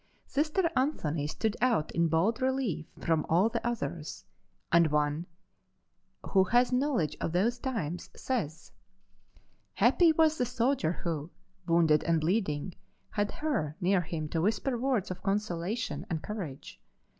Sister Anthony stood out in bold relief from all the others, and one who has knowledge of those times says: "Happy was the soldier who, wounded and bleeding, had her near him to whisper words of consolation and courage.